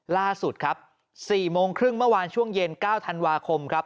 ล่าสุดครับ๔โมงครึ่งเมื่อวานช่วงเย็น๙ธันวาคมครับ